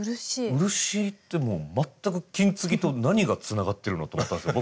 漆ってもう全く金継ぎと何がつながってるのと思ったんですよ。